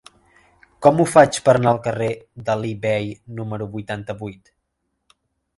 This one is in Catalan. Com ho faig per anar al carrer d'Alí Bei número vuitanta-vuit?